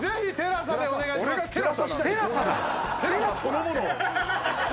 テラサそのもの。